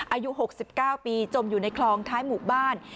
อายุ๖๙ปีจมอยู่ในคลองท้ายหมู่บ้าน